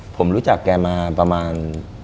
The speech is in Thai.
ผมรู้จักแกมาประมาณ